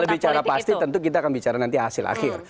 kalau bicara pasti tentu kita akan bicara nanti hasil akhir